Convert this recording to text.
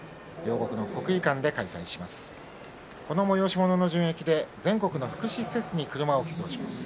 この催し物の純益で全国の福祉施設に車を寄贈します。